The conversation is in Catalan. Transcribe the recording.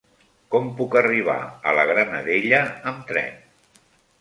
Com puc arribar a la Granadella amb tren?